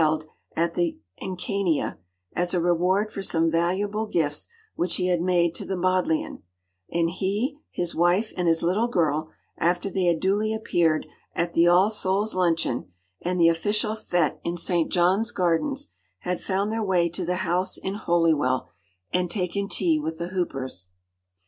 L ed at the Encænia, as a reward for some valuable gifts which he had made to the Bodleian, and he, his wife, and his little girl, after they had duly appeared at the All Souls’ luncheon, and the official fête in St. John’s Gardens, had found their way to the house in Holywell, and taken tea with the Hoopers.